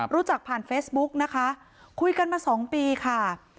รู้จักผ่านเฟซบุ๊กนะคะคุยกันมาสองปีค่ะ